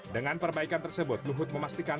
dengan perbaikan tersebut luhut memastikan